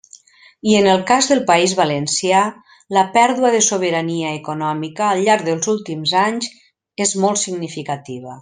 I en el cas del País Valencià, la pèrdua de sobirania econòmica al llarg dels últims anys és molt significativa.